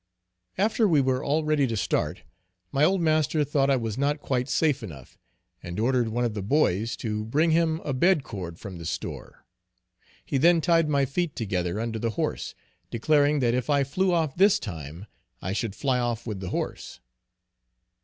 After we were all ready to start my old master thought I was not quite safe enough, and ordered one of the boys to bring him a bed cord from the store. He then tied my feet together under the horse, declaring that if I flew off this time, I should fly off with the horse.